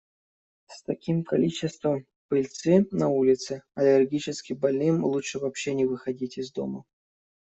С таким количеством пыльцы на улице, аллергическим больным лучше вообще не выходить из дома.